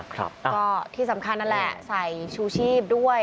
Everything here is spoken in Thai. ก็ที่สำคัญนั่นแหละใส่ชูชีพด้วย